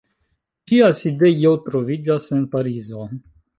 Ĝia sidejo troviĝas en Parizo.